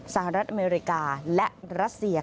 สหรัฐอเมริกาและรัสเซีย